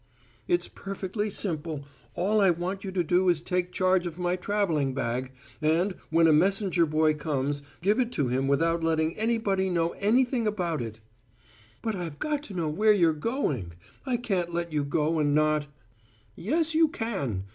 "It's perfectly simple: all I want you to do is to take charge of my travelling bag, and, when a messenger boy comes, give it to him without letting anybody know anything about it." "But I've got to know where you're going I can't let you go and not " "Yes, you can!